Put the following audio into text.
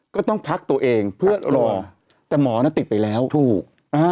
ก็ต้องพักตัวเองเพื่อรอแต่หมอน่ะติดไปแล้วถูกอ่า